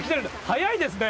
早いですね。